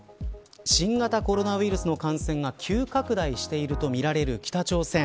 新型コロナウイルスの感染が急拡大しているとみられる北朝鮮。